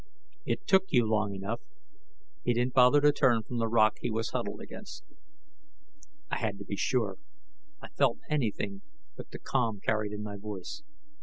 "It took you long enough." He didn't bother to turn from the rock he was huddled against. "I had to be sure." I felt anything but the calm carried in my voice.